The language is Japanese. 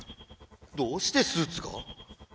どうしてスーツが？